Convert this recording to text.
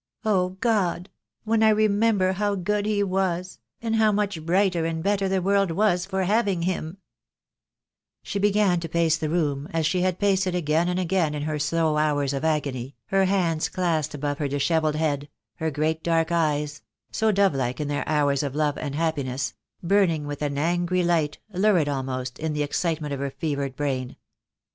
Oh, God, when I remember how good he was, and how much brighter and better the world was for having him " She began to pace the room, as she had paced it again and again in her slow hours of agony, her hands clasped above her dishevelled head, her great dark eyes — so dove like in their hours of love and happiness — burning with an angry light, lurid almost, in the excite ment of her fevered brain.